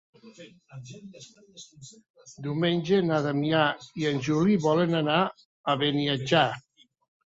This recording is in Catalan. Diumenge na Damià i en Juli volen anar a Beniatjar.